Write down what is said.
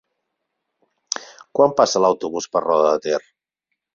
Quan passa l'autobús per Roda de Ter?